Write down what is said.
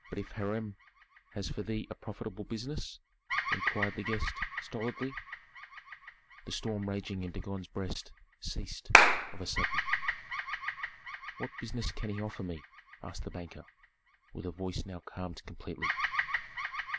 "But if Hiram has for thee a profitable business?" inquired the guest, stolidly. The storm raging in Dagon's breast ceased on a sudden. "What business can he offer me?" asked the banker, with a voice now calmed completely.